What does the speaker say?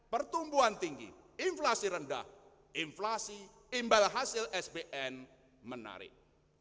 pertumbuhan tinggi inflasi rendah inflasi imbal hasil sbn menarik